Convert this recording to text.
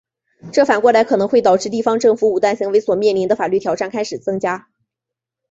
这反过来可能会导致地方政府武断行为所面临的法律挑战开始增加。